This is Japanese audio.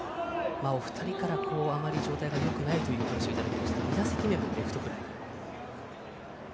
お二人からあまり状態がよくないという話を頂きましたが２打席目もレフトフライ。